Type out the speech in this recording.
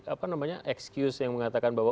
apa namanya excuse yang mengatakan bahwa